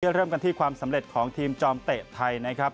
เริ่มกันที่ความสำเร็จของทีมจอมเตะไทยนะครับ